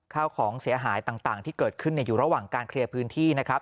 ข้าวของเสียหายต่างที่เกิดขึ้นอยู่ระหว่างการเคลียร์พื้นที่นะครับ